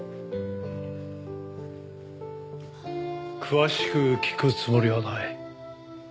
詳しく聞くつもりはない。